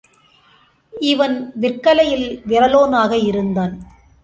இவன் விற்கலையில் விறலோன் ஆக இருந்தான்.